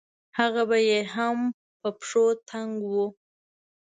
هغه به يې هم په پښو تنګ وو.